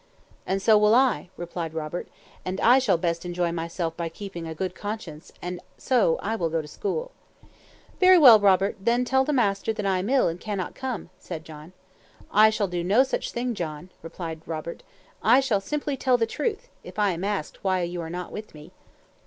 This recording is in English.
"And so will I," replied Robert; "and I shall best enjoy myself by keeping a good conscience, and so I will go to school." "Very well, Robert, then tell the master that I am ill and cannot come," said John. "I shall do no such thing, John," replied Robert; "I shall simply tell the truth, if I am asked why you are not with me."